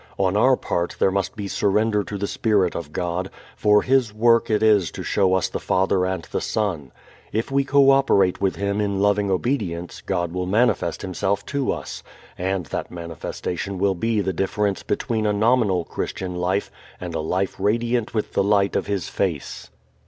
On our part there must be surrender to the Spirit of God, for His work it is to show us the Father and the Son. If we co operate with Him in loving obedience God will manifest Himself to us, and that manifestation will be the difference between a nominal Christian life and a life radiant with the light of His face.